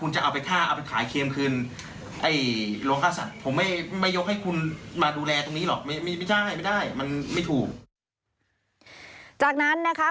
จากนั้นนะคะ